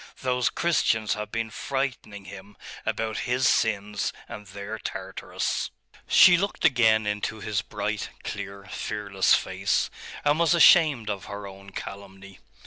Those Christians have been frightening him about his sins and their Tartarus.' She looked again into his bright, clear, fearless face, and was ashamed of her own calumny.